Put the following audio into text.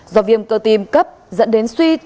do viêm cơ tim cấp dẫn đến suy